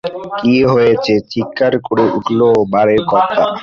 কী হয়েছে? চিৎকার করে উঠল বাড়ির কর্তা।